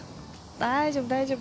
大丈夫大丈夫。